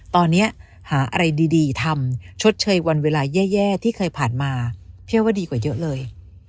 ตอนนี้หาอะไรดีทำชดเชยวันเวลาแย่ที่เคยผ่านมาพี่อ้อยว่าดีกว่าเยอะเลย